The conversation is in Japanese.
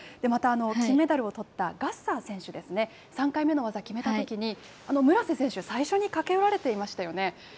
また金メダルをとったガッサー選手ですね、３回目の技決めたときに、村瀬選手、最初に駆け寄られていましたよね。